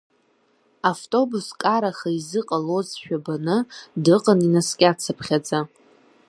Автобус караха изыҟалозшәа баны дыҟан инаскьацыԥхьаӡа.